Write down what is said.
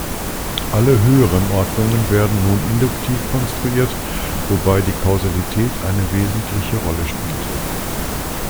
Alle höheren Ordnungen werden nun induktiv konstruiert, wobei die Kausalität eine wesentliche Rolle spielt.